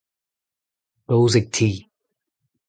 daouzek ti.